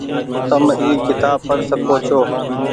تم اي ڪتاب پڙ سکو ڇو۔